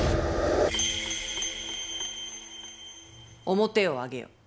面を上げよ。